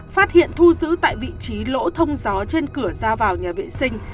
phát hiện thu giữ tại vị trí lỗ thông gió trên cửa ra vào nhà vệ sinh